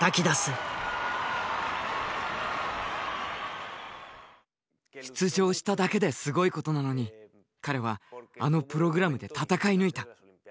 出場しただけですごいことなのに彼はあのプログラムで戦い抜いた。